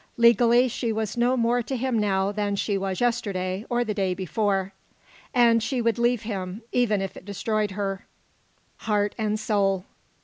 Legally, she was no more to him now than she was yesterday, or the day before. And she would leave him, even if it destroyed her, heart and soul.